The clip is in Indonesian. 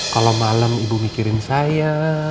kalau malam ibu mikirin saya